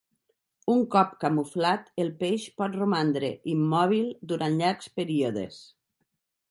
Un cop camuflat, el peix pot romandre immòbil durant llargs períodes.